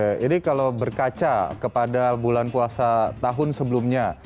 jadi kalau berkaca kepada bulan puasa tahun sebelumnya